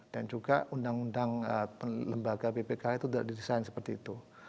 dan juga undang undang lembaga ppk itu udah di design seperti itu